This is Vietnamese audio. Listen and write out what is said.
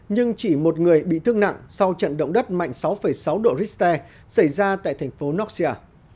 nhưng chỉ một người bị thương nặng sau trận động đất mạnh sáu sáu độ richter xảy ra tại thành phố nocia